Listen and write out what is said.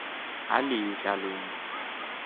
Aliisha linu.